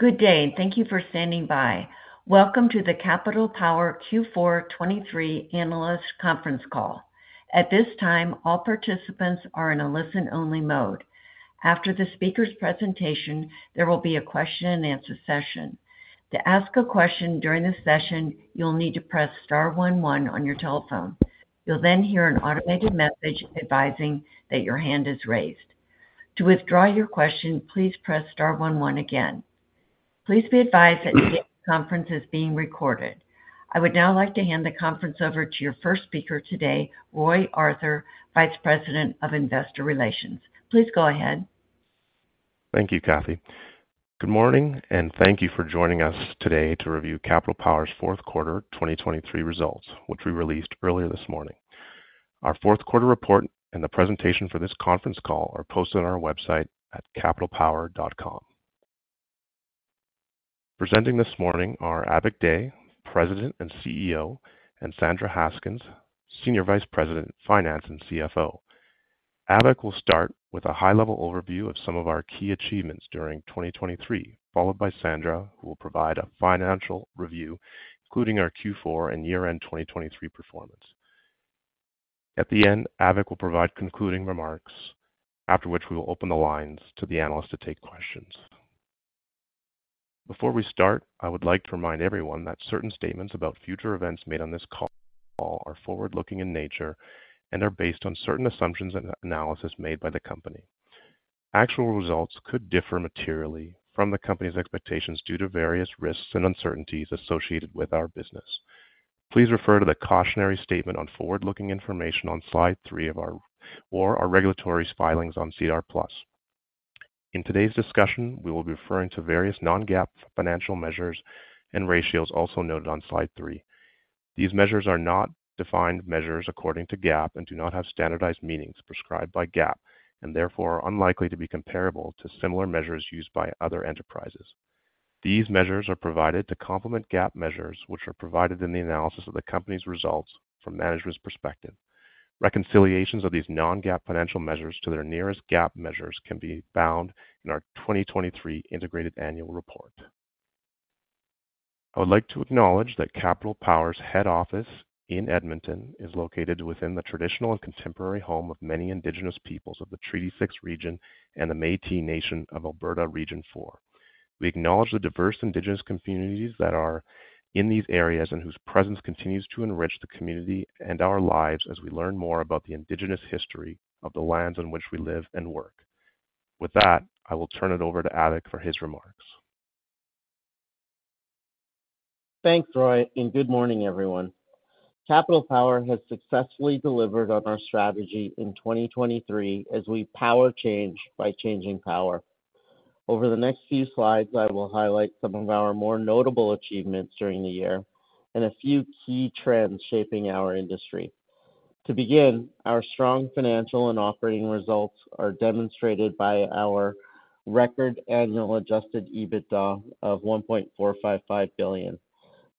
Good day and thank you for standing by. Welcome to the Capital Power Q4 2023 Analyst Conference Call. At this time, all participants are in a listen-only mode. After the speaker's presentation, there will be a question-and-answer session. To ask a question during the session, you'll need to press star one one on your telephone. You'll then hear an automated message advising that your hand is raised. To withdraw your question, please press star one one again. Please be advised that today's conference is being recorded. I would now like to hand the conference over to your first speaker today, Roy Arthur, Vice President of Investor Relations. Please go ahead. Thank you, Kathy. Good morning, and thank you for joining us today to review Capital Power's Fourth Quarter 2023 Results, which we released earlier this morning. Our fourth quarter report and the presentation for this conference call are posted on our website at capitalpower.com. Presenting this morning are Avik Dey, President and CEO, and Sandra Haskins, Senior Vice President of Finance and CFO. Avik will start with a high-level overview of some of our key achievements during 2023, followed by Sandra, who will provide a financial review including our Q4 and year-end 2023 performance. At the end, Avik will provide concluding remarks, after which we will open the lines to the analysts to take questions. Before we start, I would like to remind everyone that certain statements about future events made on this call are forward-looking in nature and are based on certain assumptions and analysis made by the company. Actual results could differ materially from the company's expectations due to various risks and uncertainties associated with our business. Please refer to the cautionary statement on forward-looking information on slide three of our or our regulatory filings on SEDAR+. In today's discussion, we will be referring to various non-GAAP financial measures and ratios also noted on slide three. These measures are not defined measures according to GAAP and do not have standardized meanings prescribed by GAAP, and therefore are unlikely to be comparable to similar measures used by other enterprises. These measures are provided to complement GAAP measures, which are provided in the analysis of the company's results from management's perspective. Reconciliations of these non-GAAP financial measures to their nearest GAAP measures can be found in our 2023 Integrated Annual Report. I would like to acknowledge that Capital Power's head office in Edmonton is located within the traditional and contemporary home of many Indigenous peoples of the Treaty Six region and the Métis Nation of Alberta Region Four. We acknowledge the diverse Indigenous communities that are in these areas and whose presence continues to enrich the community and our lives as we learn more about the Indigenous history of the lands on which we live and work. With that, I will turn it over to Avik for his remarks. Thanks, Roy, and good morning, everyone. Capital Power has successfully delivered on our strategy in 2023 as we power change by changing power. Over the next few slides, I will highlight some of our more notable achievements during the year and a few key trends shaping our industry. To begin, our strong financial and operating results are demonstrated by our record annual Adjusted EBITDA of 1.455 billion.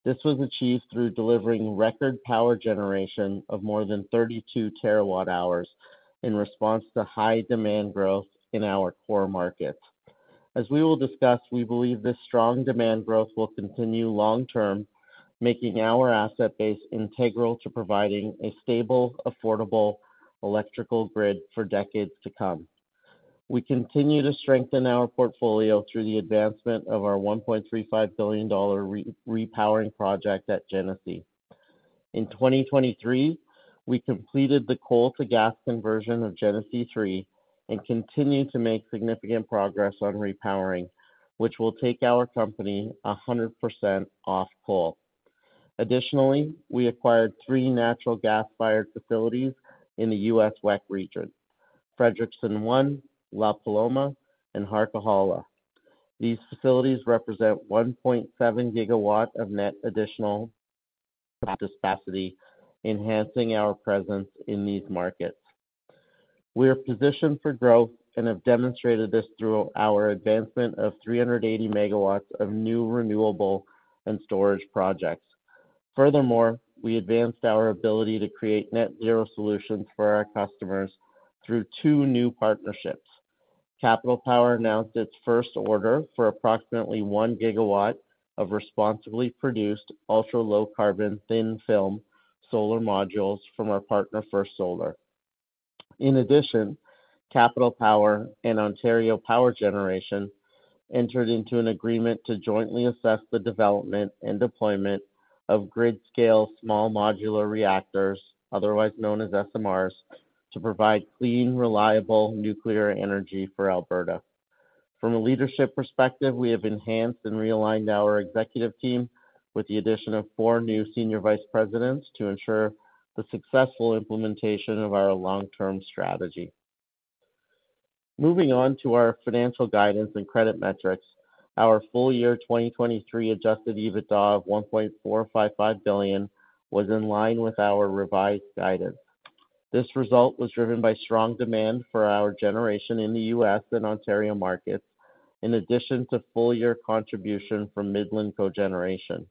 This was achieved through delivering record power generation of more than 32 TWh in response to high demand growth in our core markets. As we will discuss, we believe this strong demand growth will continue long-term, making our asset base integral to providing a stable, affordable electrical grid for decades to come. We continue to strengthen our portfolio through the advancement of our 1.35 billion dollar repowering project at Genesee. In 2023, we completed the coal-to-gas conversion of Genesee 3 and continue to make significant progress on repowering, which will take our company 100% off coal. Additionally, we acquired three natural gas-fired facilities in the U.S. WECC region: Frederickson 1, La Paloma, and Harquahala. These facilities represent 1.7 GW of net additional capacity, enhancing our presence in these markets. We are positioned for growth and have demonstrated this through our advancement of 380 MW of new renewable and storage projects. Furthermore, we advanced our ability to create net-zero solutions for our customers through two new partnerships. Capital Power announced its first order for approximately 1 GW of responsibly produced ultra-low-carbon thin-film solar modules from our partner, First Solar. In addition, Capital Power and Ontario Power Generation entered into an agreement to jointly assess the development and deployment of grid-scale small modular reactors, otherwise known as SMRs, to provide clean, reliable nuclear energy for Alberta. From a leadership perspective, we have enhanced and realigned our executive team with the addition of four new Senior Vice Presidents to ensure the successful implementation of our long-term strategy. Moving on to our financial guidance and credit metrics, our full-year 2023 Adjusted EBITDA of 1.455 billion was in line with our revised guidance. This result was driven by strong demand for our generation in the U.S. and Ontario markets, in addition to full-year contribution from Midland Cogeneration.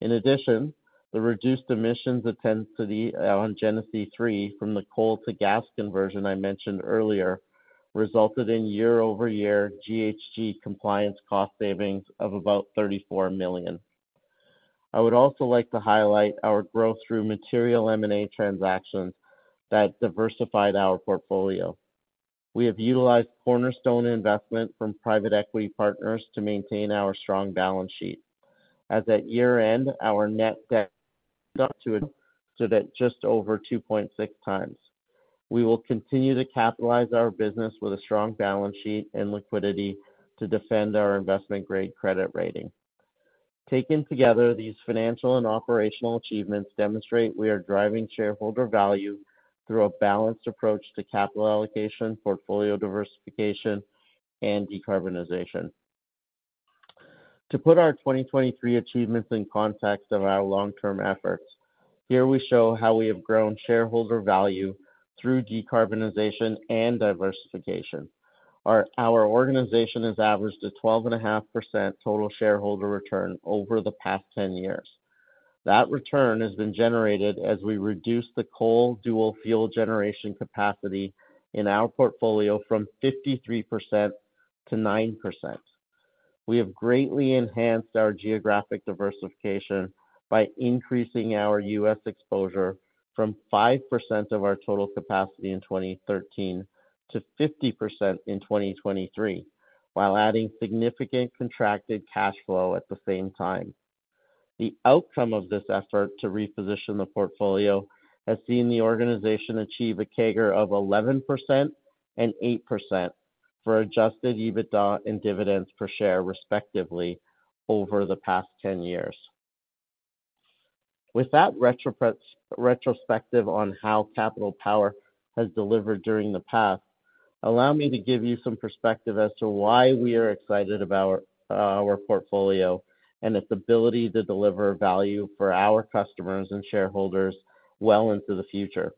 In addition, the reduced emissions intensity on Genesee 3 from the coal-to-gas conversion I mentioned earlier resulted in year-over-year GHG compliance cost savings of about 34 million. I would also like to highlight our growth through material M&A transactions that diversified our portfolio. We have utilized cornerstone investment from private equity partners to maintain our strong balance sheet, as at year-end, our net debt to equity was up to just over 2.6x. We will continue to capitalize our business with a strong balance sheet and liquidity to defend our investment-grade credit rating. Taken together, these financial and operational achievements demonstrate we are driving shareholder value through a balanced approach to capital allocation, portfolio diversification, and decarbonization. To put our 2023 achievements in context of our long-term efforts, here we show how we have grown shareholder value through decarbonization and diversification. Our organization has averaged a 12.5% total shareholder return over the past 10 years. That return has been generated as we reduced the coal dual-fuel generation capacity in our portfolio from 53% to 9%. We have greatly enhanced our geographic diversification by increasing our U.S. exposure from 5% of our total capacity in 2013 to 50% in 2023, while adding significant contracted cash flow at the same time. The outcome of this effort to reposition the portfolio has seen the organization achieve a CAGR of 11% and 8% for Adjusted EBITDA and dividends per share, respectively, over the past 10 years. With that retrospective on how Capital Power has delivered during the past, allow me to give you some perspective as to why we are excited about our portfolio and its ability to deliver value for our customers and shareholders well into the future.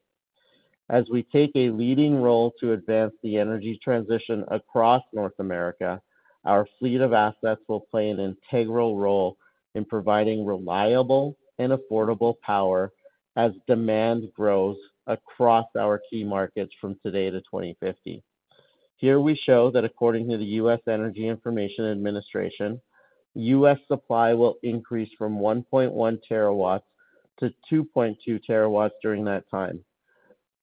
As we take a leading role to advance the energy transition across North America, our fleet of assets will play an integral role in providing reliable and affordable power as demand grows across our key markets from today to 2050. Here we show that, according to the U.S. Energy Information Administration, U.S. supply will increase from 1.1 TW-2.2 TW during that time.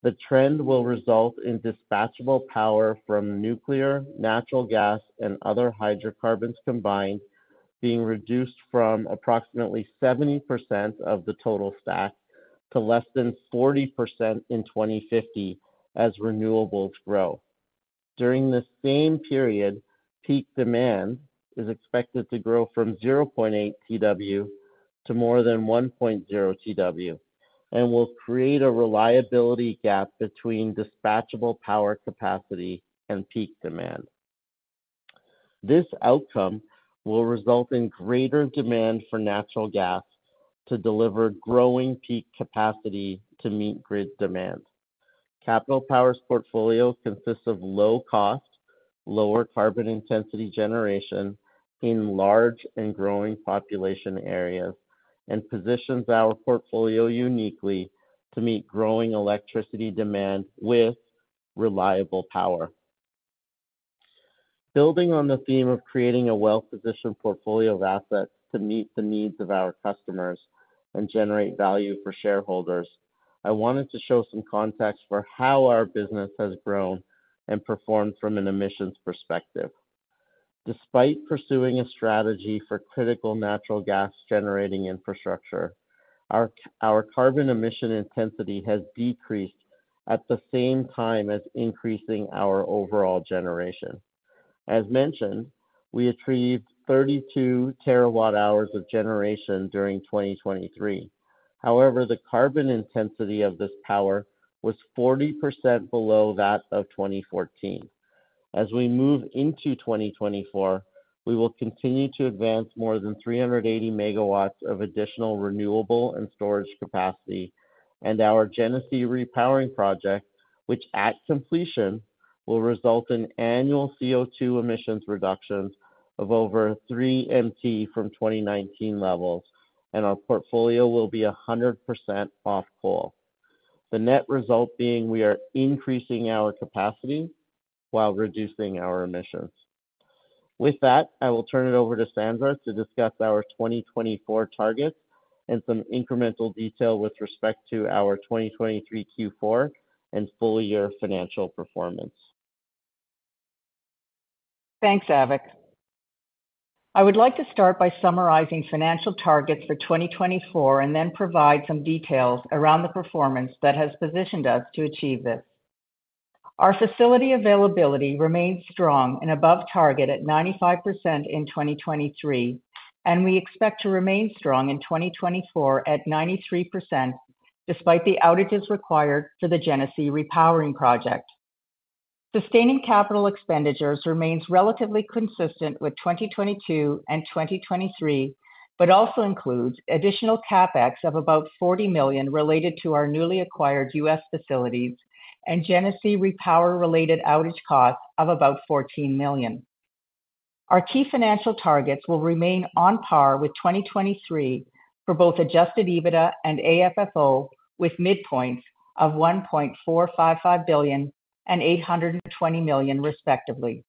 The trend will result in dispatchable power from nuclear, natural gas, and other hydrocarbons combined being reduced from approximately 70% of the total stack to less than 40% in 2050 as renewables grow. During the same period, peak demand is expected to grow from 0.8 TW to more than 1.0 TW and will create a reliability gap between dispatchable power capacity and peak demand. This outcome will result in greater demand for natural gas to deliver growing peak capacity to meet grid demand. Capital Power's portfolio consists of low-cost, lower-carbon intensity generation in large and growing population areas and positions our portfolio uniquely to meet growing electricity demand with reliable power. Building on the theme of creating a well-positioned portfolio of assets to meet the needs of our customers and generate value for shareholders, I wanted to show some context for how our business has grown and performed from an emissions perspective. Despite pursuing a strategy for critical natural gas-generating infrastructure, our carbon emission intensity has decreased at the same time as increasing our overall generation. As mentioned, we achieved 32 TWh of generation during 2023. However, the carbon intensity of this power was 40% below that of 2014. As we move into 2024, we will continue to advance more than 380 MW of additional renewable and storage capacity, and our Genesee repowering project, which at completion will result in annual CO2 emissions reductions of over 3 MT from 2019 levels, and our portfolio will be 100% off coal. The net result being we are increasing our capacity while reducing our emissions. With that, I will turn it over to Sandra to discuss our 2024 targets and some incremental detail with respect to our 2023 Q4 and full-year financial performance. Thanks, Avik. I would like to start by summarizing financial targets for 2024 and then provide some details around the performance that has positioned us to achieve this. Our facility availability remains strong and above target at 95% in 2023, and we expect to remain strong in 2024 at 93% despite the outages required for the Genesee repowering project. Sustaining capital expenditures remains relatively consistent with 2022 and 2023 but also includes additional CapEx of about 40 million related to our newly acquired U.S. facilities and Genesee repower-related outage costs of about 14 million. Our key financial targets will remain on par with 2023 for both Adjusted EBITDA and AFFO, with midpoints of 1.455 billion and 820 million, respectively.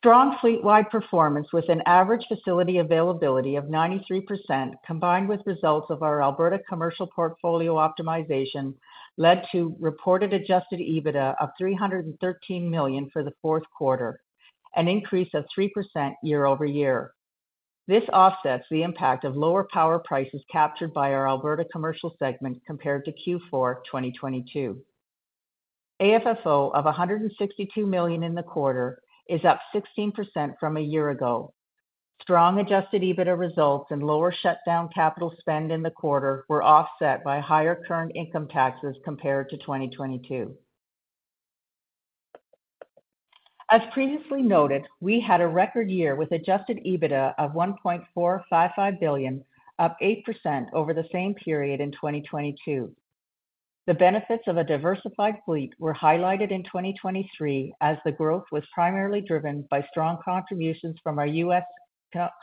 Strong fleet-wide performance with an average facility availability of 93% combined with results of our Alberta commercial portfolio optimization led to reported Adjusted EBITDA of 313 million for the fourth quarter, an increase of 3% year-over-year. This offsets the impact of lower power prices captured by our Alberta commercial segment compared to Q4 2022. AFFO of 162 million in the quarter is up 16% from a year ago. Strong Adjusted EBITDA results and lower shutdown capital spend in the quarter were offset by higher current income taxes compared to 2022. As previously noted, we had a record year with Adjusted EBITDA of 1.455 billion, up 8% over the same period in 2022. The benefits of a diversified fleet were highlighted in 2023 as the growth was primarily driven by strong contributions from our U.S.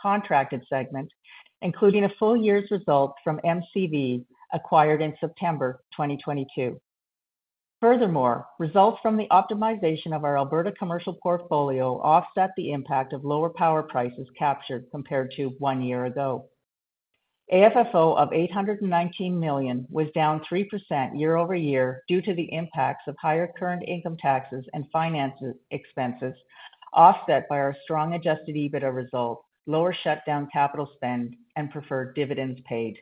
contracted segment, including a full-year's result from MCV acquired in September 2022. Furthermore, results from the optimization of our Alberta commercial portfolio offset the impact of lower power prices captured compared to one year ago. AFFO of 819 million was down 3% year-over-year due to the impacts of higher current income taxes and financial expenses offset by our strong adjusted EBITDA result, lower shutdown capital spend, and preferred dividends paid.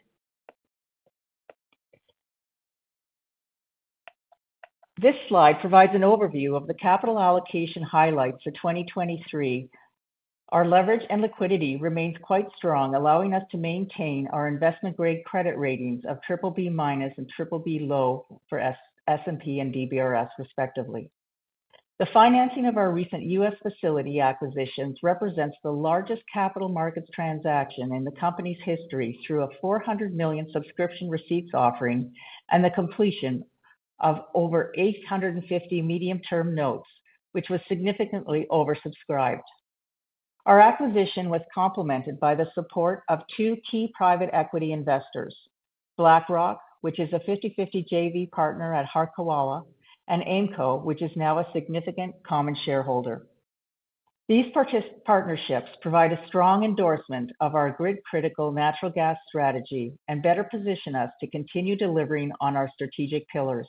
This slide provides an overview of the capital allocation highlights for 2023. Our leverage and liquidity remains quite strong, allowing us to maintain our investment-grade credit ratings of BBB- and BBB-low for S&P and DBRS, respectively. The financing of our recent U.S. facility acquisitions represents the largest capital markets transaction in the company's history through a 400 million subscription receipts offering and the completion of over 850 million medium-term notes, which was significantly oversubscribed. Our acquisition was complemented by the support of two key private equity investors: BlackRock, which is a 50/50 JV partner at Harquahala, and AIMCo, which is now a significant common shareholder. These partnerships provide a strong endorsement of our grid-critical natural gas strategy and better position us to continue delivering on our strategic pillars.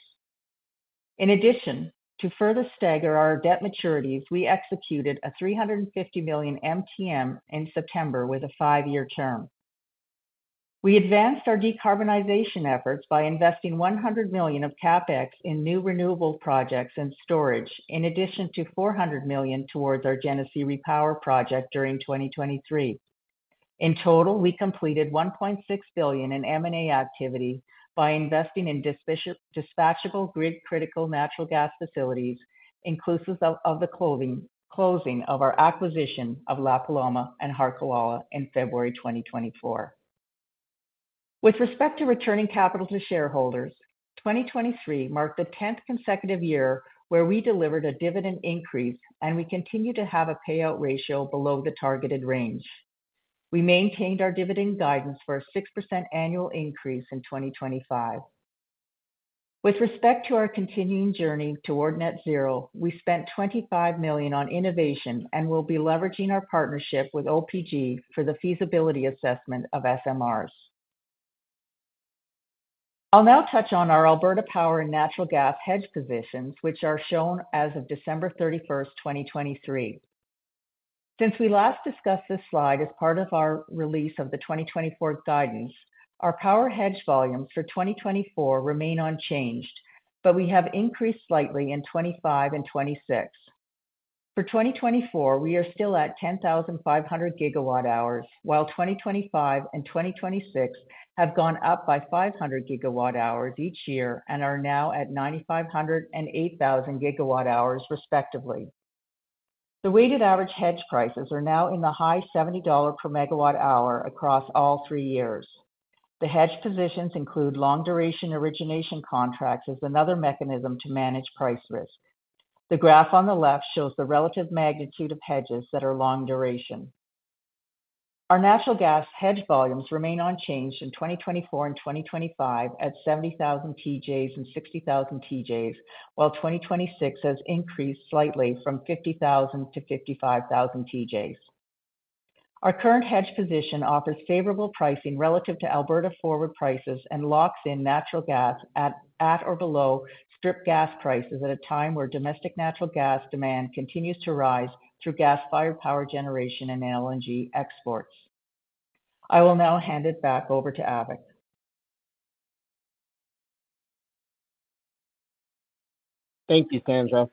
In addition, to further stagger our debt maturities, we executed a 350 million MTN in September with a five-year term. We advanced our decarbonization efforts by investing 100 million of CapEx in new renewable projects and storage, in addition to 400 million towards our Genesee repowering project during 2023. In total, we completed 1.6 billion in M&A activity by investing in dispatchable grid-critical natural gas facilities, inclusive of the closing of our acquisition of La Paloma and Harquahala in February 2024. With respect to returning capital to shareholders, 2023 marked the 10th consecutive year where we delivered a dividend increase, and we continue to have a payout ratio below the targeted range. We maintained our dividend guidance for a 6% annual increase in 2025. With respect to our continuing journey toward net zero, we spent 25 million on innovation and will be leveraging our partnership with OPG for the feasibility assessment of SMRs. I'll now touch on our Alberta Power and natural gas hedge positions, which are shown as of December 31, 2023. Since we last discussed this slide as part of our release of the 2024 guidance, our power hedge volumes for 2024 remain unchanged, but we have increased slightly in 2025 and 2026. For 2024, we are still at 10,500 GWh, while 2025 and 2026 have gone up by 500 GWh each year and are now at 9,500 GWh and 8,000 GWh, respectively. The weighted average hedge prices are now in the high $70/MWh across all three years. The hedge positions include long-duration origination contracts as another mechanism to manage price risk. The graph on the left shows the relative magnitude of hedges that are long-duration. Our natural gas hedge volumes remain unchanged in 2024 and 2025 at 70,000 TJs and 60,000 TJs, while 2026 has increased slightly from 50,000 TJs-55,000 TJs. Our current hedge position offers favorable pricing relative to Alberta forward prices and locks in natural gas at or below strip gas prices at a time where domestic natural gas demand continues to rise through gas-fired power generation and LNG exports. I will now hand it back over to Avik. Thank you, Sandra.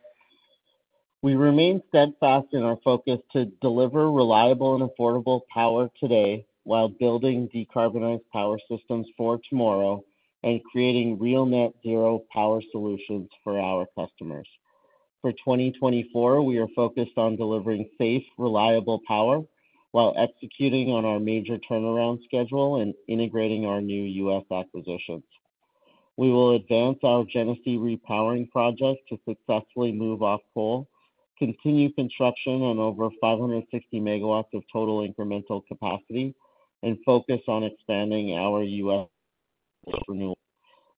We remain steadfast in our focus to deliver reliable and affordable power today while building decarbonized power systems for tomorrow and creating real net-zero power solutions for our customers. For 2024, we are focused on delivering safe, reliable power while executing on our major turnaround schedule and integrating our new U.S. acquisitions. We will advance our Genesee repowering project to successfully move off coal, continue construction on over 560 MW of total incremental capacity, and focus on expanding our U.S. renewables.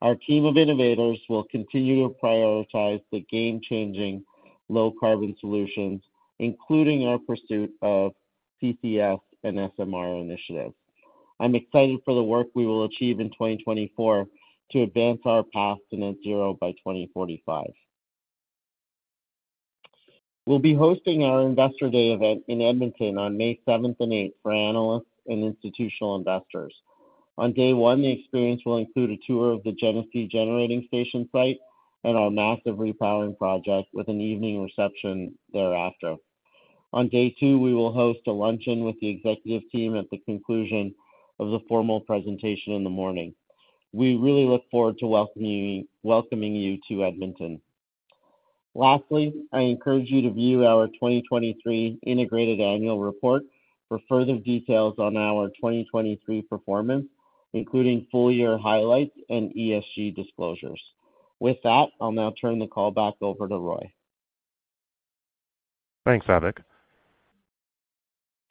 Our team of innovators will continue to prioritize the game-changing low-carbon solutions, including our pursuit of CCS and SMR initiatives. I'm excited for the work we will achieve in 2024 to advance our path to net zero by 2045. We'll be hosting our Investor Day event in Edmonton on May 7th and 8th for analysts and institutional investors. On day one, the experience will include a tour of the Genesee generating station site and our massive repowering project with an evening reception thereafter. On day two, we will host a luncheon with the executive team at the conclusion of the formal presentation in the morning. We really look forward to welcoming you to Edmonton. Lastly, I encourage you to view our 2023 integrated annual report for further details on our 2023 performance, including full-year highlights and ESG disclosures. With that, I'll now turn the call back over to Roy. Thanks, Avik.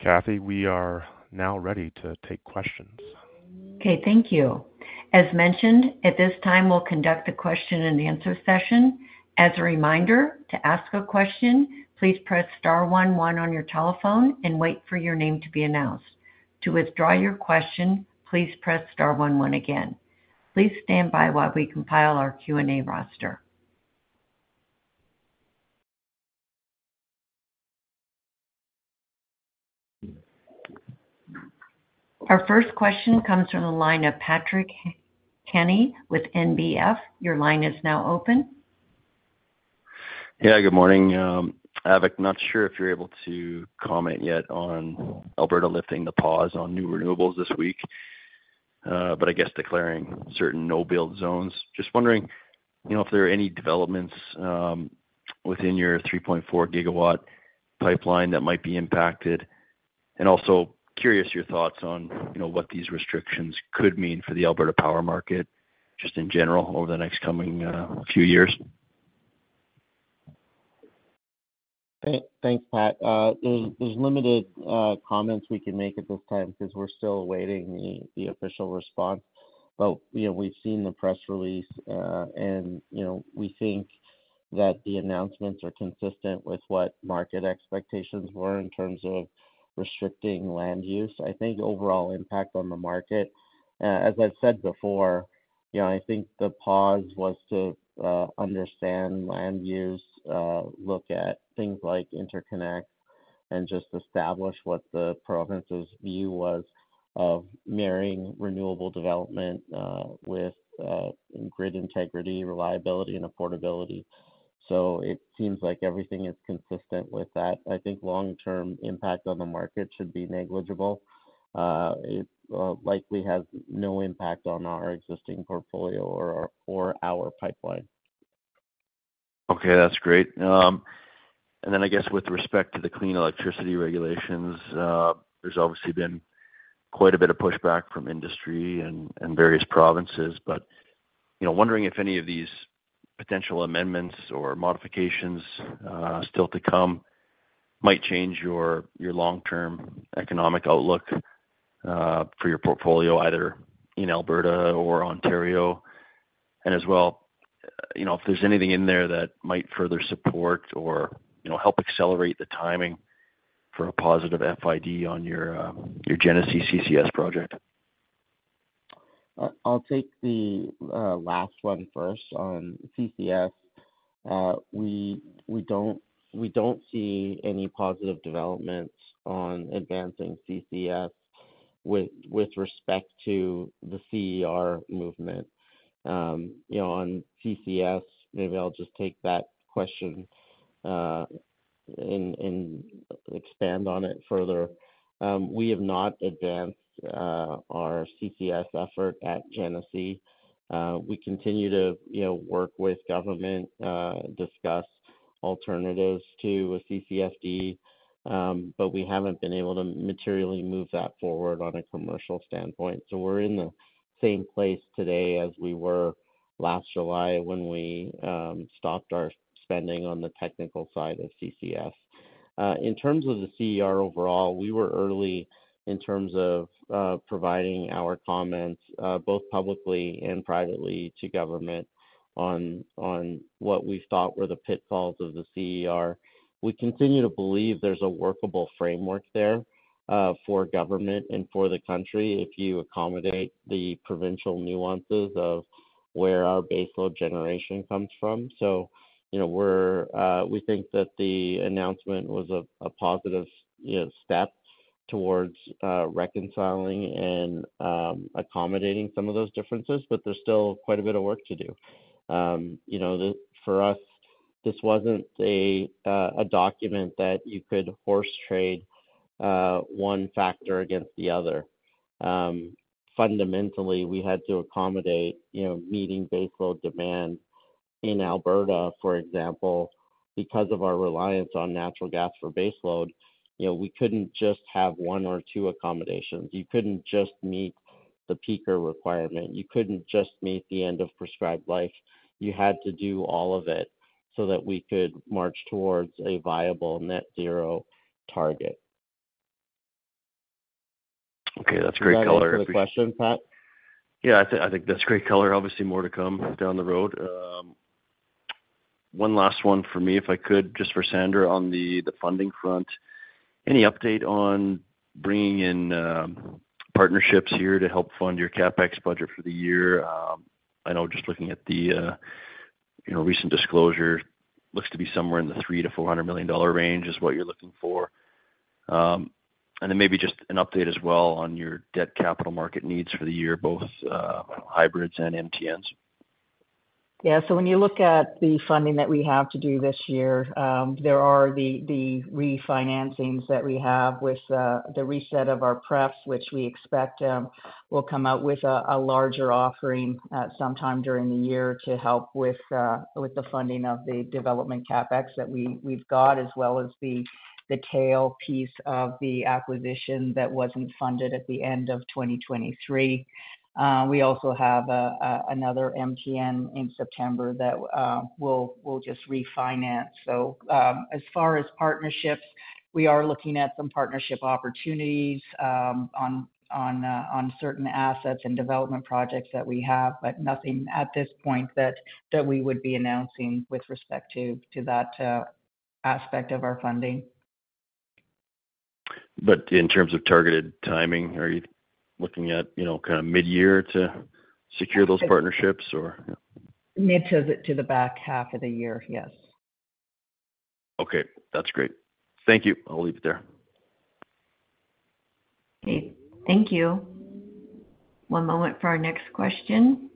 Kathy, we are now ready to take questions. Okay, thank you. As mentioned, at this time we'll conduct the question-and-answer session. As a reminder, to ask a question, please press star one one on your telephone and wait for your name to be announced. To withdraw your question, please press star one one again. Please stand by while we compile our Q&A roster. Our first question comes from the line of Patrick Kenny with NBF. Your line is now open. Yeah, good morning. Avik, not sure if you're able to comment yet on Alberta lifting the pause on new renewables this week, but I guess declaring certain no-build zones. Just wondering if there are any developments within your 3.4 GW pipeline that might be impacted, and also curious your thoughts on what these restrictions could mean for the Alberta power market just in general over the next coming few years. Thanks, Pat. There's limited comments we can make at this time because we're still awaiting the official response, but we've seen the press release, and we think that the announcements are consistent with what market expectations were in terms of restricting land use. I think overall impact on the market, as I've said before, I think the pause was to understand land use, look at things like Interconnect, and just establish what the province's view was of marrying renewable development with grid integrity, reliability, and affordability. So it seems like everything is consistent with that. I think long-term impact on the market should be negligible. It likely has no impact on our existing portfolio or our pipeline. Okay, that's great. And then I guess with respect to the Clean Electricity Regulations, there's obviously been quite a bit of pushback from industry and various provinces, but wondering if any of these potential amendments or modifications still to come might change your long-term economic outlook for your portfolio, either in Alberta or Ontario? And as well, if there's anything in there that might further support or help accelerate the timing for a positive FID on your Genesee CCS project? I'll take the last one first on CCS. We don't see any positive developments on advancing CCS with respect to the CER movement. On CCS, maybe I'll just take that question and expand on it further. We have not advanced our CCS effort at Genesee. We continue to work with government, discuss alternatives to a CCFD, but we haven't been able to materially move that forward on a commercial standpoint. So we're in the same place today as we were last July when we stopped our spending on the technical side of CCS. In terms of the CER overall, we were early in terms of providing our comments, both publicly and privately, to government on what we thought were the pitfalls of the CER. We continue to believe there's a workable framework there for government and for the country if you accommodate the provincial nuances of where our baseload generation comes from. So we think that the announcement was a positive step towards reconciling and accommodating some of those differences, but there's still quite a bit of work to do. For us, this wasn't a document that you could horse trade one factor against the other. Fundamentally, we had to accommodate meeting baseload demand in Alberta, for example, because of our reliance on natural gas for baseload. We couldn't just have one or two accommodations. You couldn't just meet the peaker requirement. You couldn't just meet the end of prescribed life. You had to do all of it so that we could march towards a viable net-zero target. Okay, that's a great color. Do you have any further questions, Pat? Yeah, I think that's a great color. Obviously, more to come down the road. One last one for me, if I could, just for Sandra on the funding front. Any update on bringing in partnerships here to help fund your CapEx budget for the year? I know just looking at the recent disclosure, it looks to be somewhere in the 300 million-400 million dollar range is what you're looking for. And then maybe just an update as well on your debt capital market needs for the year, both hybrids and MTNs. Yeah, so when you look at the funding that we have to do this year, there are the refinancings that we have with the reset of our preps, which we expect will come out with a larger offering sometime during the year to help with the funding of the development CapEx that we've got, as well as the tail piece of the acquisition that wasn't funded at the end of 2023. We also have another MTN in September that we'll just refinance. So as far as partnerships, we are looking at some partnership opportunities on certain assets and development projects that we have, but nothing at this point that we would be announcing with respect to that aspect of our funding. In terms of targeted timing, are you looking at kind of mid-year to secure those partnerships, or? Mid to the back half of the year, yes. Okay, that's great. Thank you. I'll leave it there. Okay, thank you. One moment for our next question.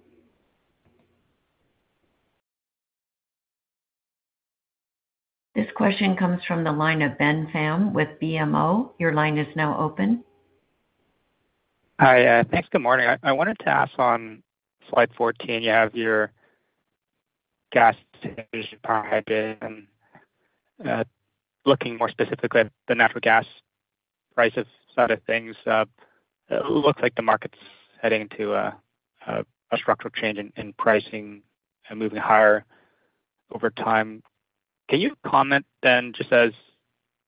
This question comes from the line of Ben Pham with BMO. Your line is now open. Hi, thanks. Good morning. I wanted to ask on slide 14, you have your gas pipe, and looking more specifically at the natural gas price side of things, it looks like the market's heading into a structural change in pricing and moving higher over time. Can you comment then just as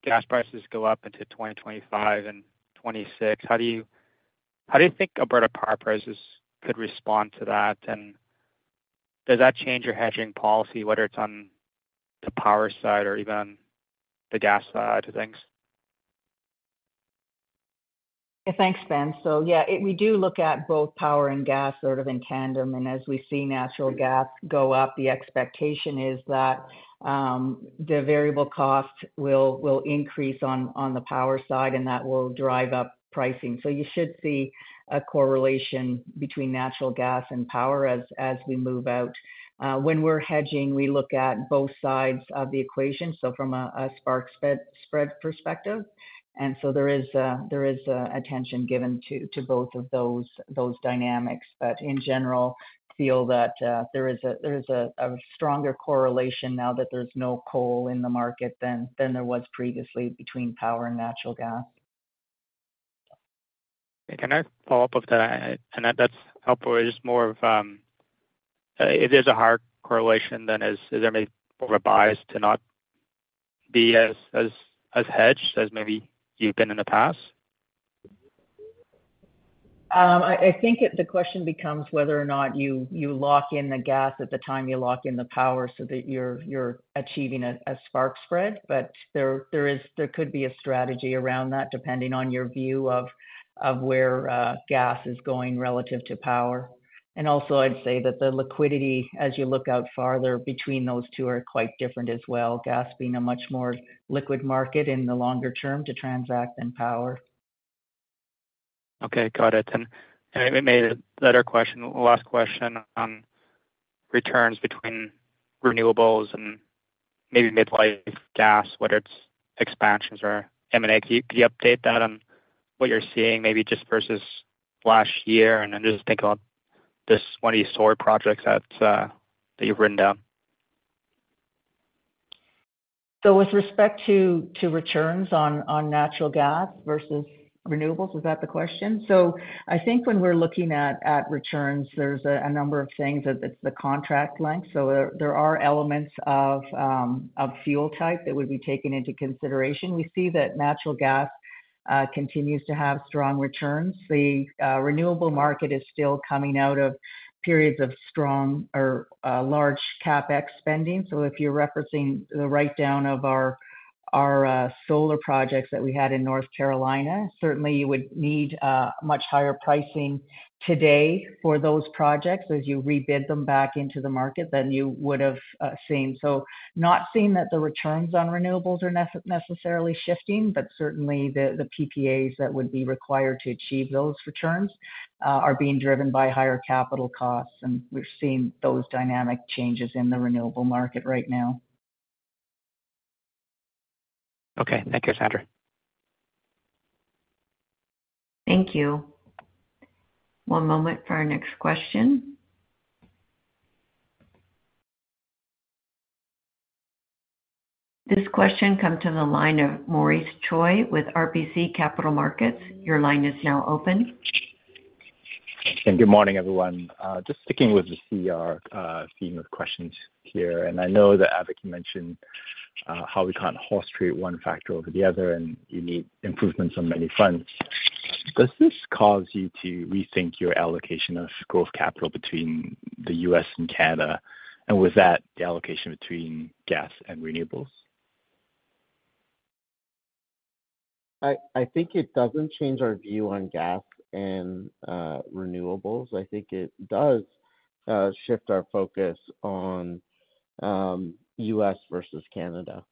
gas prices go up into 2025 and 2026, how do you think Alberta power prices could respond to that? And does that change your hedging policy, whether it's on the power side or even on the gas side of things? Yeah, thanks, Ben. So yeah, we do look at both power and gas sort of in tandem. And as we see natural gas go up, the expectation is that the variable cost will increase on the power side, and that will drive up pricing. So you should see a correlation between natural gas and power as we move out. When we're hedging, we look at both sides of the equation, so from a spark spread perspective. And so there is attention given to both of those dynamics, but in general, I feel that there is a stronger correlation now that there's no coal in the market than there was previously between power and natural gas. Can I follow up off that? That's helpful. It's just more of if there's a hard correlation, then is there any sort of bias to not be as hedged as maybe you've been in the past? I think the question becomes whether or not you lock in the gas at the time you lock in the power so that you're achieving a spark spread. But there could be a strategy around that depending on your view of where gas is going relative to power. And also, I'd say that the liquidity, as you look out farther between those two, are quite different as well, gas being a much more liquid market in the longer term to transact than power. Okay, got it. It made a better question. Last question on returns between renewables and maybe mid-life gas, whether it's expansions or M&A. Could you update that on what you're seeing, maybe just versus last year, and then just think about one of these solar projects that you've written down? So with respect to returns on natural gas versus renewables, is that the question? So I think when we're looking at returns, there's a number of things. It's the contract length. So there are elements of fuel type that would be taken into consideration. We see that natural gas continues to have strong returns. The renewable market is still coming out of periods of strong or large CapEx spending. So if you're referencing the write-down of our solar projects that we had in North Carolina, certainly you would need much higher pricing today for those projects as you rebid them back into the market than you would have seen. So not seeing that the returns on renewables are necessarily shifting, but certainly the PPAs that would be required to achieve those returns are being driven by higher capital costs. We're seeing those dynamic changes in the renewable market right now. Okay, thank you, Sandra. Thank you. One moment for our next question. This question comes from the line of Maurice Choy with RBC Capital Markets. Your line is now open. Good morning, everyone. Just sticking with the CER theme of questions here. I know that, Avik, you mentioned how we can't horse trade one factor over the other, and you need improvements on many fronts. Does this cause you to rethink your allocation of growth capital between the U.S. and Canada, and with that, the allocation between gas and renewables? I think it doesn't change our view on gas and renewables. I think it does shift our focus on U.S. versus Canada.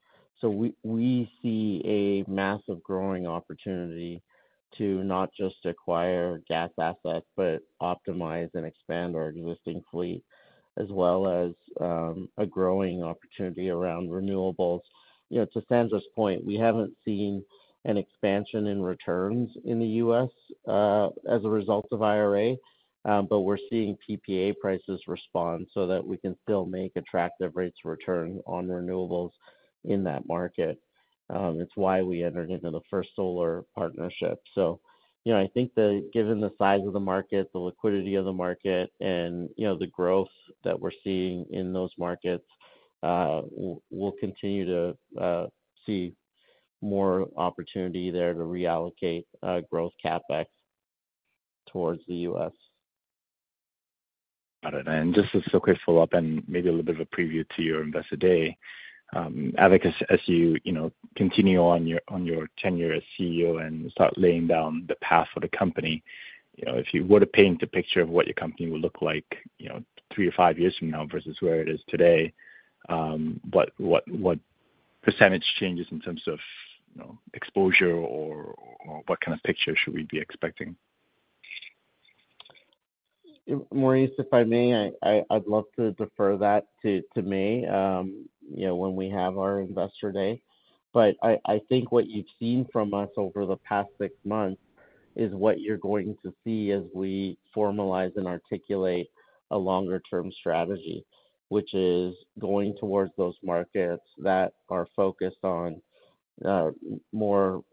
We see a massive growing opportunity to not just acquire gas assets, but optimize and expand our existing fleet, as well as a growing opportunity around renewables. To Sandra's point, we haven't seen an expansion in returns in the U.S. as a result of IRA, but we're seeing PPA prices respond so that we can still make attractive rates of return on renewables in that market. It's why we entered into the first solar partnership. I think that given the size of the market, the liquidity of the market, and the growth that we're seeing in those markets, we'll continue to see more opportunity there to reallocate growth CapEx towards the U.S. Got it. And just as a quick follow-up and maybe a little bit of a preview to your investor day, Avik, as you continue on your tenure as CEO and start laying down the path for the company, if you were to paint a picture of what your company would look like three or five years from now versus where it is today, what percentage changes in terms of exposure or what kind of picture should we be expecting? Maurice, if I may, I'd love to defer that to me when we have our investor day. But I think what you've seen from us over the past six months is what you're going to see as we formalize and articulate a longer-term strategy, which is going towards those markets that are focused on more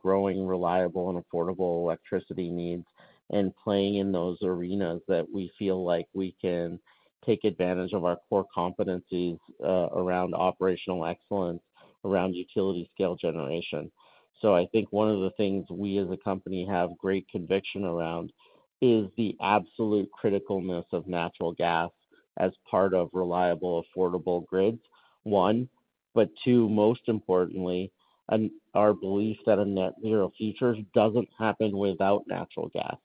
growing, reliable, and affordable electricity needs and playing in those arenas that we feel like we can take advantage of our core competencies around operational excellence, around utility-scale generation. So I think one of the things we, as a company, have great conviction around is the absolute criticalness of natural gas as part of reliable, affordable grids, one. But two, most importantly, our belief that a net-zero future doesn't happen without natural gas.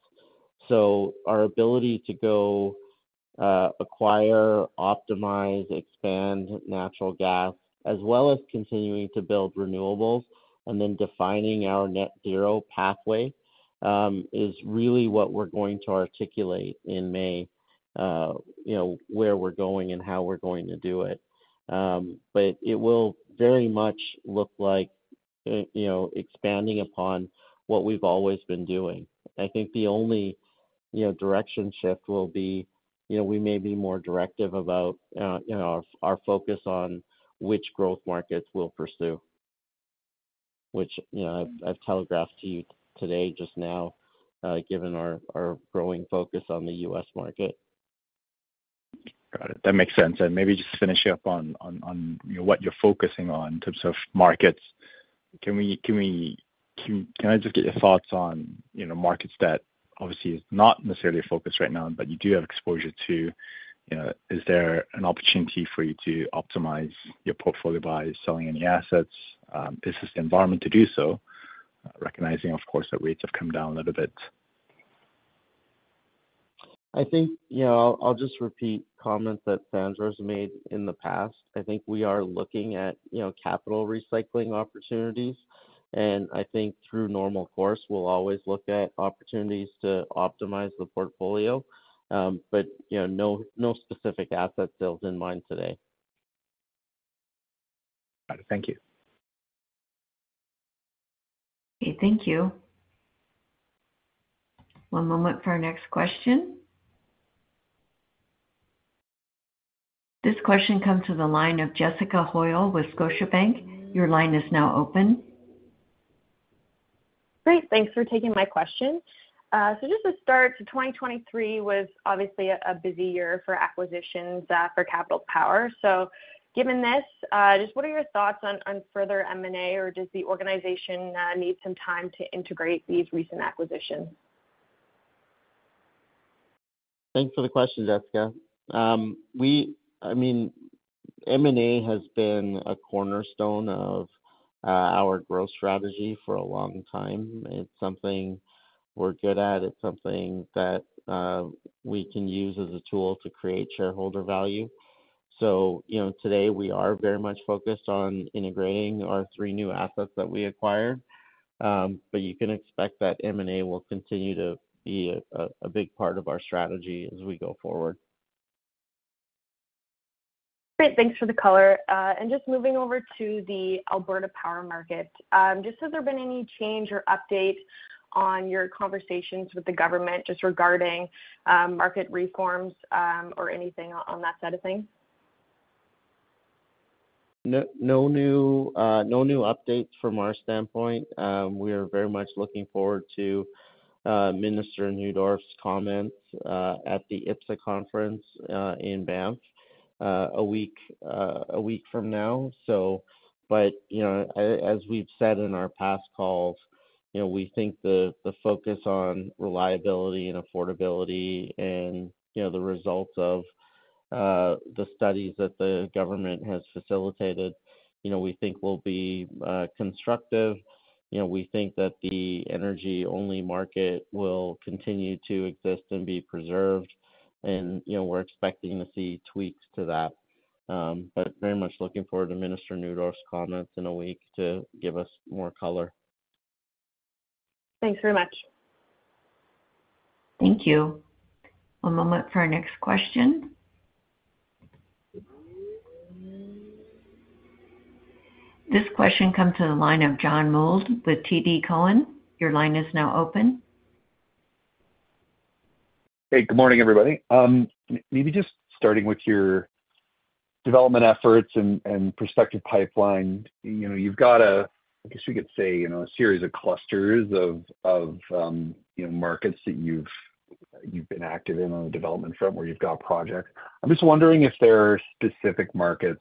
So our ability to go acquire, optimize, expand natural gas, as well as continuing to build renewables and then defining our net-zero pathway is really what we're going to articulate in May, where we're going and how we're going to do it. But it will very much look like expanding upon what we've always been doing. I think the only direction shift will be we may be more directive about our focus on which growth markets we'll pursue, which I've telegraphed to you today just now, given our growing focus on the U.S. market. Got it. That makes sense. And maybe just finishing up on what you're focusing on in terms of markets, can I just get your thoughts on markets that obviously are not necessarily a focus right now, but you do have exposure to? Is there an opportunity for you to optimize your portfolio by selling any assets? Is this the environment to do so, recognizing, of course, that rates have come down a little bit? I think I'll just repeat comments that Sandra has made in the past. I think we are looking at capital recycling opportunities. I think through normal course, we'll always look at opportunities to optimize the portfolio, but no specific asset sales in mind today. Got it. Thank you. Okay, thank you. One moment for our next question. This question comes from the line of Jessica Hoyle with Scotiabank. Your line is now open. Great. Thanks for taking my question. So just to start, 2023 was obviously a busy year for acquisitions for Capital Power. So given this, just what are your thoughts on further M&A, or does the organization need some time to integrate these recent acquisitions? Thanks for the question, Jessica. I mean, M&A has been a cornerstone of our growth strategy for a long time. It's something we're good at. It's something that we can use as a tool to create shareholder value. So today, we are very much focused on integrating our three new assets that we acquired. But you can expect that M&A will continue to be a big part of our strategy as we go forward. Great. Thanks for the color. Just moving over to the Alberta power market, just has there been any change or update on your conversations with the government just regarding market reforms or anything on that side of things? No new updates from our standpoint. We are very much looking forward to Minister Neudorf's comments at the IPPSA conference in Banff a week from now. But as we've said in our past calls, we think the focus on reliability and affordability and the results of the studies that the government has facilitated, we think, will be constructive. We think that the energy-only market will continue to exist and be preserved. And we're expecting to see tweaks to that. But very much looking forward to Minister Neudorf's comments in a week to give us more color. Thanks very much. Thank you. One moment for our next question. This question comes from the line of John Mould with TD Cowen. Your line is now open. Hey, good morning, everybody. Maybe just starting with your development efforts and prospective pipeline, you've got a, I guess we could say, a series of clusters of markets that you've been active in on the development front where you've got projects. I'm just wondering if there are specific markets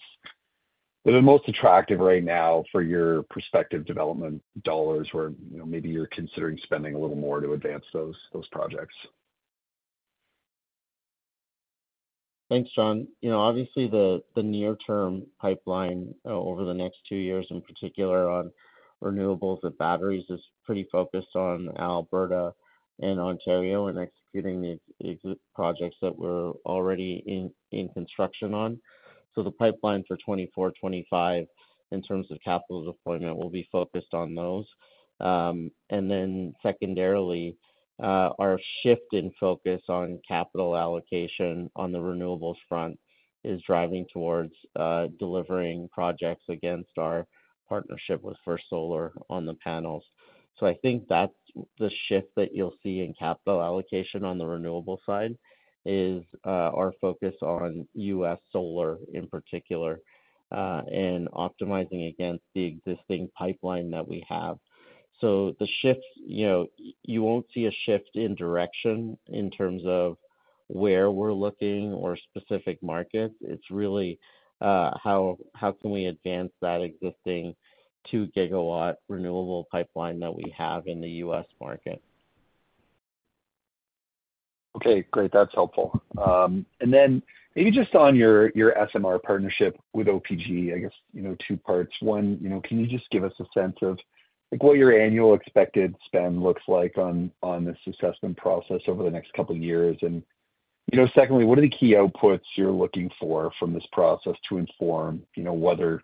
that are most attractive right now for your prospective development dollars where maybe you're considering spending a little more to advance those projects? Thanks, John. Obviously, the near-term pipeline over the next two years, in particular on renewables and batteries, is pretty focused on Alberta and Ontario and executing the projects that we're already in construction on. So the pipeline for 2024-2025, in terms of capital deployment, will be focused on those. And then secondarily, our shift in focus on capital allocation on the renewables front is driving towards delivering projects against our partnership with First Solar on the panels. So I think the shift that you'll see in capital allocation on the renewable side is our focus on U.S. solar, in particular, and optimizing against the existing pipeline that we have. So the shift, you won't see a shift in direction in terms of where we're looking or specific markets. It's really how can we advance that existing 2 GW renewable pipeline that we have in the U.S. market. Okay, great. That's helpful. And then maybe just on your SMR partnership with OPG, I guess, two parts. One, can you just give us a sense of what your annual expected spend looks like on this assessment process over the next couple of years? And secondly, what are the key outputs you're looking for from this process to inform whether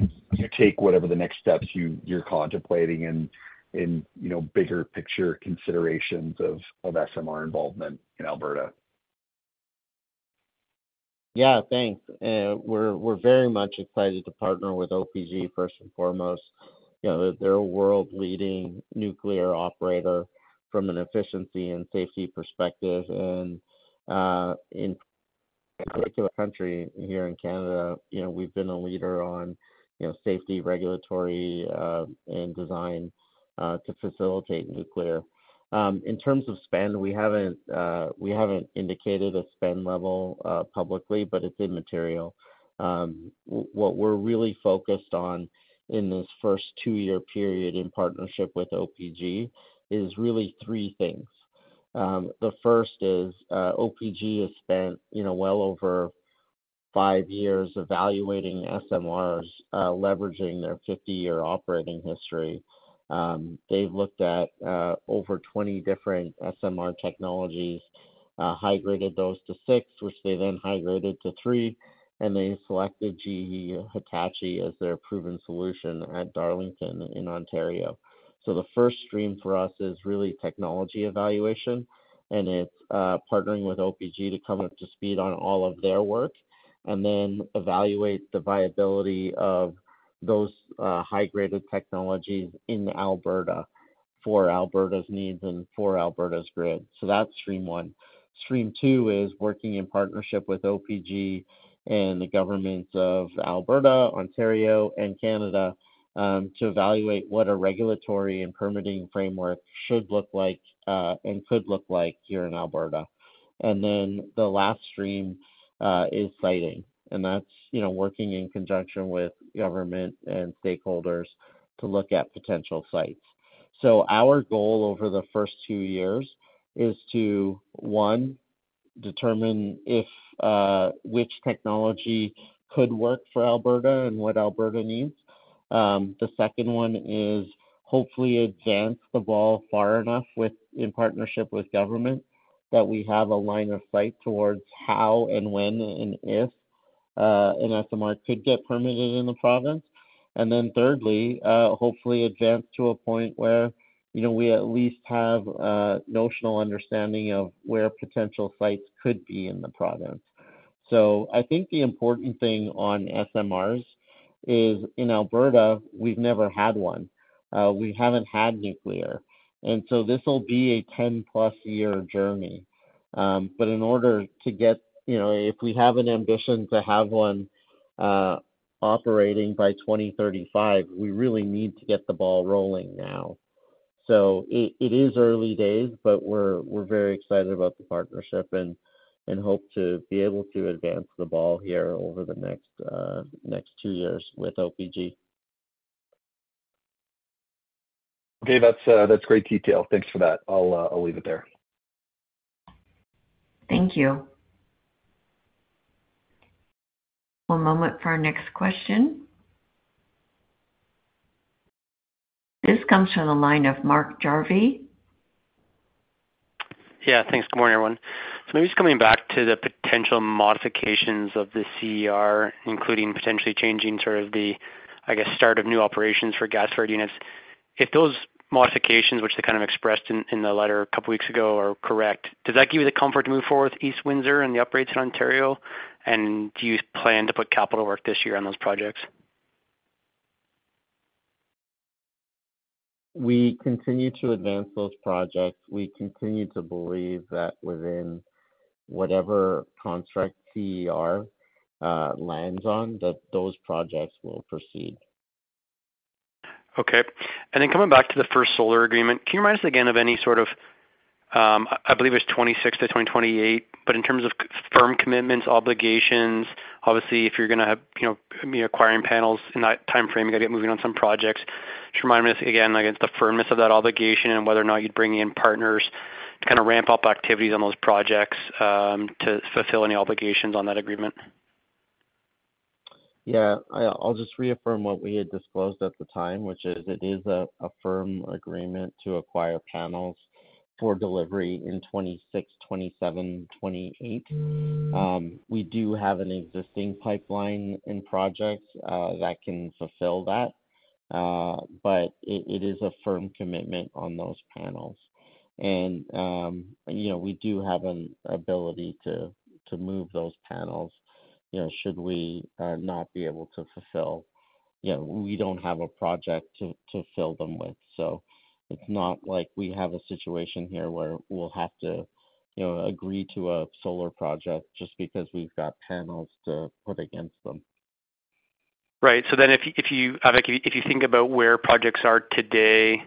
you take whatever the next steps you're contemplating in bigger-picture considerations of SMR involvement in Alberta? Yeah, thanks. We're very much excited to partner with OPG, first and foremost. They're a world-leading nuclear operator from an efficiency and safety perspective. And, in particular, country here in Canada, we've been a leader on safety, regulatory, and design to facilitate nuclear. In terms of spend, we haven't indicated a spend level publicly, but it's immaterial. What we're really focused on in this first two-year period in partnership with OPG is really three things. The first is OPG has spent well over five years evaluating SMRs, leveraging their 50-year operating history. They've looked at over 20 different SMR technologies, high-graded those to six, which they then high-graded to three, and they selected GE Hitachi as their proven solution at Darlington in Ontario. So the first stream for us is really technology evaluation. It's partnering with OPG to come up to speed on all of their work and then evaluate the viability of those high-graded technologies in Alberta for Alberta's needs and for Alberta's grid. So that's stream one. Stream two is working in partnership with OPG and the governments of Alberta, Ontario, and Canada to evaluate what a regulatory and permitting framework should look like and could look like here in Alberta. And then the last stream is siting. And that's working in conjunction with government and stakeholders to look at potential sites. So our goal over the first two years is to, one, determine which technology could work for Alberta and what Alberta needs. The second one is hopefully advance the ball far enough in partnership with government that we have a line of sight towards how and when and if an SMR could get permitted in the province. Then thirdly, hopefully advance to a point where we at least have a notional understanding of where potential sites could be in the province. So I think the important thing on SMRs is in Alberta, we've never had one. We haven't had nuclear. And so this will be a 10+-year journey. But in order to get if we have an ambition to have one operating by 2035, we really need to get the ball rolling now. So it is early days, but we're very excited about the partnership and hope to be able to advance the ball here over the next two years with OPG. Okay, that's great detail. Thanks for that. I'll leave it there. Thank you. One moment for our next question. This comes from the line of Mark Jarvi. Yeah, thanks. Good morning, everyone. So maybe just coming back to the potential modifications of the CER, including potentially changing sort of the, I guess, start of new operations for gas-fed units. If those modifications, which they kind of expressed in the letter a couple of weeks ago, are correct, does that give you the comfort to move forward with East Windsor and the upgrades in Ontario? And do you plan to put capital work this year on those projects? We continue to advance those projects. We continue to believe that within whatever contract CER lands on, that those projects will proceed. Okay. And then coming back to the First Solar agreement, can you remind us again of any sort of I believe it's 2026-2028. But in terms of firm commitments, obligations, obviously, if you're going to be acquiring panels in that timeframe, you got to get moving on some projects. Just remind us again against the firmness of that obligation and whether or not you'd bring in partners to kind of ramp up activities on those projects to fulfill any obligations on that agreement. Yeah, I'll just reaffirm what we had disclosed at the time, which is it is a firm agreement to acquire panels for delivery in 2026, 2027, 2028. We do have an existing pipeline in projects that can fulfill that. But it is a firm commitment on those panels. And we do have an ability to move those panels should we not be able to fulfill we don't have a project to fill them with. So it's not like we have a situation here where we'll have to agree to a solar project just because we've got panels to put against them. Right. So then if you think about where projects are today,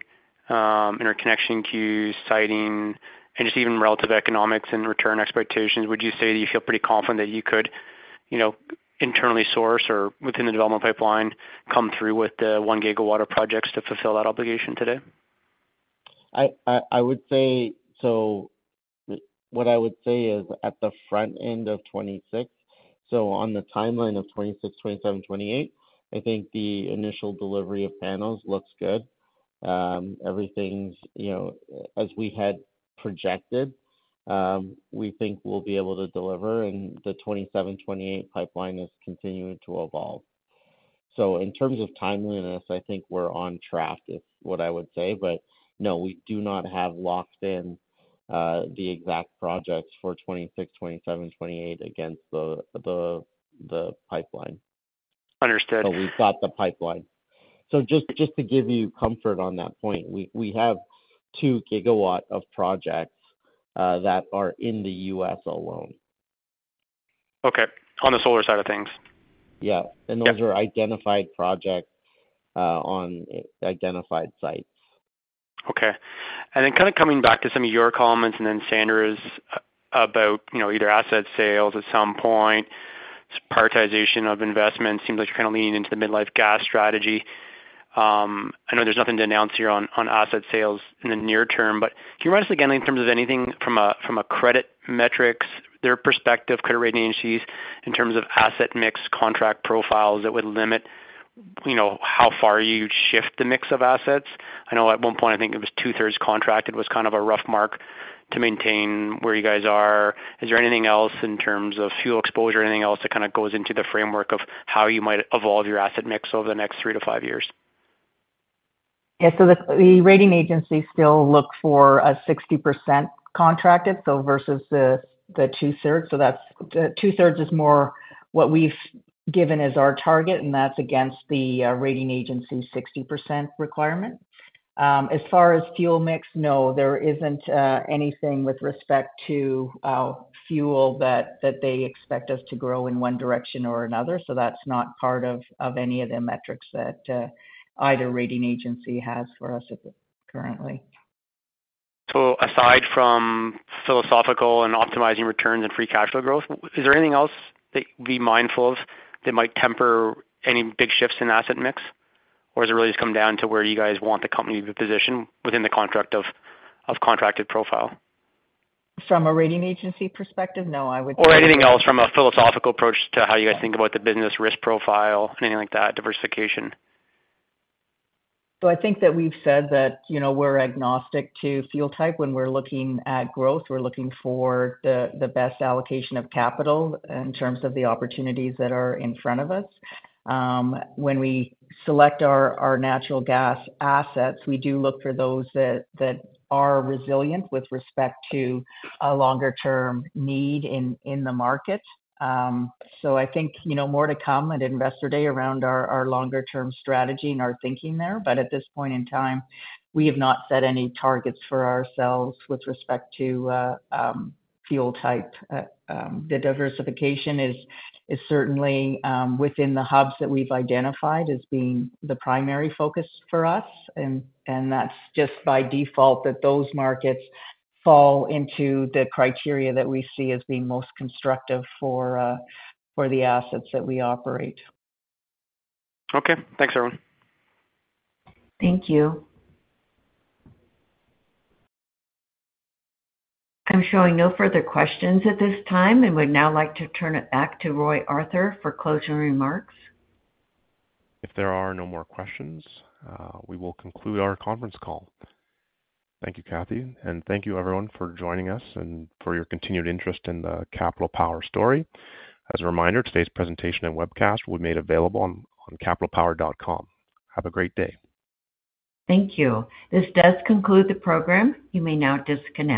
interconnection queues, siting, and just even relative economics and return expectations, would you say that you feel pretty confident that you could internally source or within the development pipeline come through with the 1 GW projects to fulfill that obligation today? So what I would say is at the front end of 2026, so on the timeline of 2026, 2027, 2028, I think the initial delivery of panels looks good. Everything's as we had projected, we think we'll be able to deliver. And the 2027, 2028 pipeline is continuing to evolve. So in terms of timeliness, I think we're on track is what I would say. But no, we do not have locked in the exact projects for 2026, 2027, 2028 against the pipeline. Understood. We've got the pipeline. Just to give you comfort on that point, we have 2 GW of projects that are in the U.S. alone. Okay, on the solar side of things. Yeah. Those are identified projects on identified sites. Okay. Then kind of coming back to some of your comments and then Sandra's about either asset sales at some point, prioritization of investments, seems like you're kind of leaning into the midlife gas strategy. I know there's nothing to announce here on asset sales in the near term, but can you remind us again in terms of anything from a credit metrics, their perspective, credit rating agencies, in terms of asset mix, contract profiles that would limit how far you shift the mix of assets? I know at one point, I think it was two-thirds contracted was kind of a rough mark to maintain where you guys are. Is there anything else in terms of fuel exposure, anything else that kind of goes into the framework of how you might evolve your asset mix over the next three to five years? Yeah, so the rating agency still looks for a 60% contracted, so versus the 2/3. So 2/3 is more what we've given as our target, and that's against the rating agency 60% requirement. As far as fuel mix, no, there isn't anything with respect to fuel that they expect us to grow in one direction or another. So that's not part of any of the metrics that either rating agency has for us currently. Aside from philosophical and optimizing returns and free cash flow growth, is there anything else that we'd be mindful of that might temper any big shifts in asset mix? Or does it really just come down to where you guys want the company to be positioned within the contract of contracted profile? From a rating agency perspective, no, I would say. Or anything else from a philosophical approach to how you guys think about the business risk profile and anything like that, diversification? So I think that we've said that we're agnostic to fuel type. When we're looking at growth, we're looking for the best allocation of capital in terms of the opportunities that are in front of us. When we select our natural gas assets, we do look for those that are resilient with respect to a longer-term need in the market. So I think more to come at Investor Day around our longer-term strategy and our thinking there. But at this point in time, we have not set any targets for ourselves with respect to fuel type. The diversification is certainly within the hubs that we've identified as being the primary focus for us. And that's just by default that those markets fall into the criteria that we see as being most constructive for the assets that we operate. Okay. Thanks, everyone. Thank you. I'm showing no further questions at this time and would now like to turn it back to Roy Arthur for closing remarks. If there are no more questions, we will conclude our conference call. Thank you, Kathy. Thank you, everyone, for joining us and for your continued interest in the Capital Power story. As a reminder, today's presentation and webcast will be made available on capitalpower.com. Have a great day. Thank you. This does conclude the program. You may now disconnect.